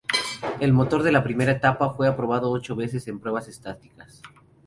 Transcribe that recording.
El motor de la primera etapa fue probado ocho veces en pruebas estáticas.